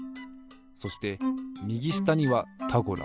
そしてみぎしたには「タゴラ」。